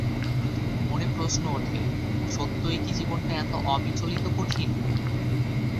মনে প্রশ্ন ওঠে, সত্যই কি জীবনটা এত অবিচলিত কঠিন।